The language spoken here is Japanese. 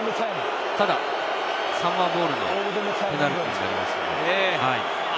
ただ、サモアボールのペナルティーになりますね。